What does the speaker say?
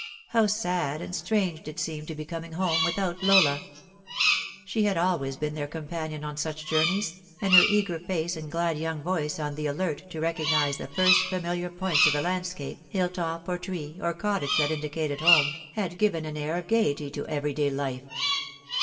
How sad and strange it seemed to be coming home without Lola ! She had always been their companion in such journeys, and her eager face and glad young voice, on the alert to recognise the first familiar points of the landscape, hill top, or tree, or cottage that indicated home, had given an air of gaiety to every day life.